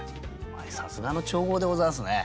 さすがの調合でございますね。